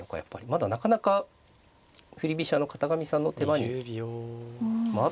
まだなかなか振り飛車の片上さんの手番に回ってこないですね。